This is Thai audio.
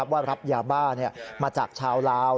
ว่ารับยาบ้ามาจากชาวลาว